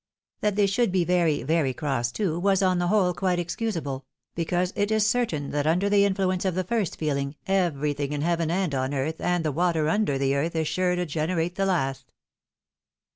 "' That they should be very, very cross too, was, on the whole, qidte excusable, because it is certain that under the influence of the first feeling, everything in heaven and on earth, and the water under the earth, is sure to generate the last.